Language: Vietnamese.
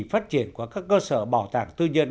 phát triển của các cơ sở bảo tàng tư nhân